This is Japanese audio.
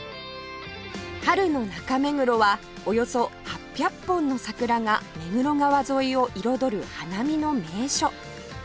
春の中目黒はおよそ８００本の桜が目黒川沿いを彩る花見の名所